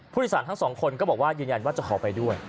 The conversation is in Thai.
ทั้งสองคนก็บอกว่ายืนยันว่าจะขอไปด้วย